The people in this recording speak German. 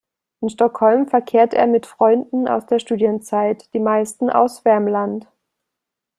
In Stockholm verkehrte er mit Freunden aus der Studienzeit, die meisten aus Värmland.